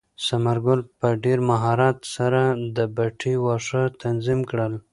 ثمر ګل په ډېر مهارت سره د پټي واښه تنظیم کړل.